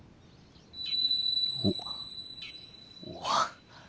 おっ。